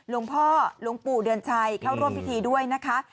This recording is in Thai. หลวงพ่อหลวงปู่เดือนชัยเข้าร่วมพิธีด้วยนะคะ